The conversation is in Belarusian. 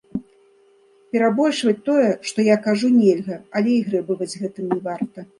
Перабольшваць тое, што я кажу, нельга, але і грэбаваць гэтым не варта.